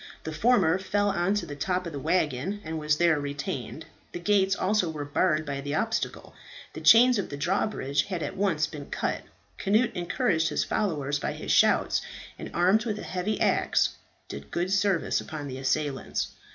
The former fell on to the top of the waggon, and was there retained. The gates also were barred by the obstacle. The chains of the drawbridge had at once been cut. Cnut encouraged his followers by his shouts, and armed with a heavy axe, did good service upon the assailants.